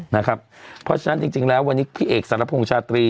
เพราะฉะนั้นจริงแล้ววันนี้พี่เอกสรพงษ์ชาตรี